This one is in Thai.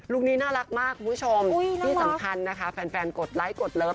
นี้น่ารักมากคุณผู้ชมที่สำคัญนะคะแฟนกดไลคดเลิฟ